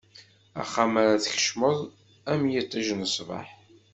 Axxam ara tkecmeḍ, am yiṭij n ṣṣbeḥ.